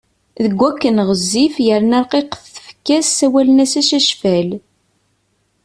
Deg wakken ɣezzif yerna rqiqet tfekka-s ssawalen-as Acacfal.